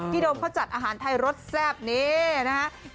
โดมเขาจัดอาหารไทยรสแซ่บนี่นะฮะ